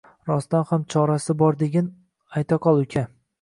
Rostdan ham chorasi bor degin, aytaqol, uka